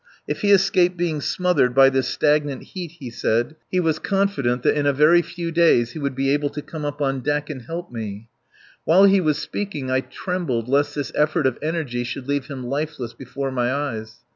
If he escaped being smothered by this stagnant heat, he said, he was confident that in a very few days he would be able to come up on deck and help me. While he was speaking I trembled lest this effort of energy should leave him lifeless before my eyes.